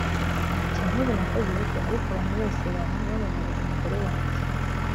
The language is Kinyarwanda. Ati “Nk’ubu nakoze ubukwe ariko abantu bose baba babarira umugore wanjye